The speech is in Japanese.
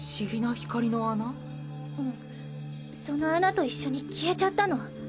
うんその穴と一緒に消えちゃったの。